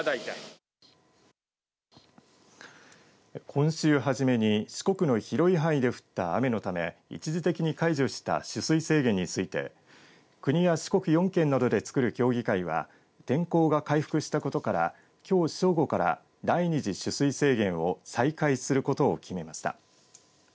今週初めに四国の広い範囲で降った雨のため一時的に解除した取水制限について国や四国４県などでつくる協議会は天候が回復したことからきょう正午から第二次取水制限を再開することを決めました。